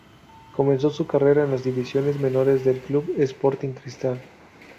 Comenzó su carrera en las divisiones menores del club Sporting Cristal.